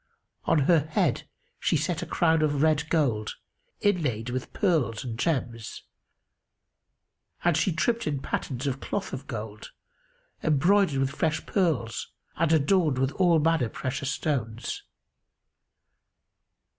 On her head she set a crown of red gold, inlaid with pearls and gems and she tripped in pattens of cloth of gold, embroidered with fresh pearls[FN#284] and adorned with all manner precious stones.